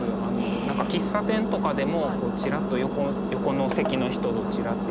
何か喫茶店とかでもちらっと横の席の人ちらって見たりとか。